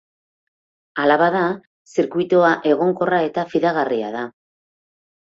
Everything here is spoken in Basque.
Hala bada, zirkuitua egonkorra eta fidagarria da.